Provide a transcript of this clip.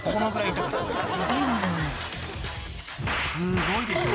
［すごいでしょ？］